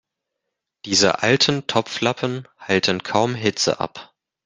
Diese alten Topflappen halten kaum Hitze ab.